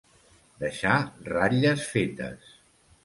Deixar ratlles fetes.